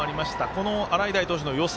この洗平投手のよさ